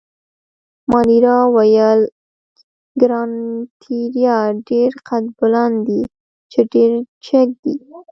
مانیرا وویل: ګراناتیریا ډېر قدبلند دي، چې ډېر جګ دي.